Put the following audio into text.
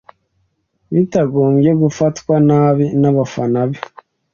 bitagombye gufatwa nabi n’abafana be,